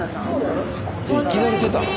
いきなり出たの？